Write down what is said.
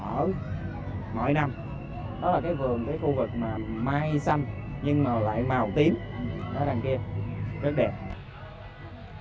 ở mọi năm đó là cái vườn cái khu vực mà mai xanh nhưng mà lại màu tím đó là đằng kia rất đẹp